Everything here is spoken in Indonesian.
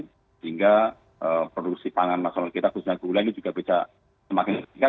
sehingga produksi pangan nasional kita khususnya gula ini juga bisa semakin meningkat